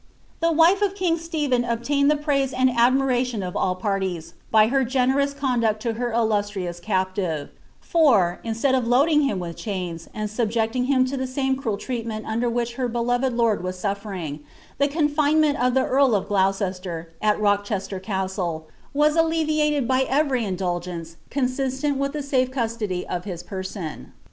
The Wife of king Stephen obtained the praise and admiration of all parties, by her generous conduct to her illustrious captive ; for, instead of loading him with chains, and subjecting him to the same cruel treat ment under which her beloved lord was suiiering, the confinement of the earl of Gloucester, at Rochester Castle, was alleviated by every indulgence consistent with the safe custody of his person.